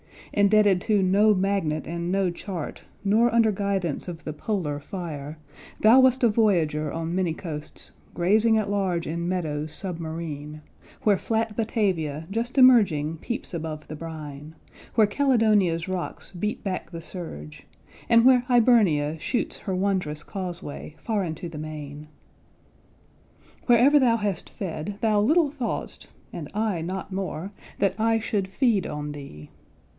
Indebted to no magnet and no chart, Nor under guidance of the polar fire, Thou wast a voyager on many coasts, Grazing at large in meadows submarine, Where flat Batavia just emerging peeps Above the brine, where Caledonia's rocks Beat back the surge, and where Hibernia shoots Her wondrous causeway far into the main. Wherever thou hast fed, thou little thought'st, And I not more, that I should feed on thee.